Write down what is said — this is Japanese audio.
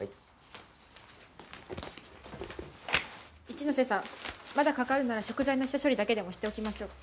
一ノ瀬さんまだかかるなら食材の下処理だけでもしておきましょう。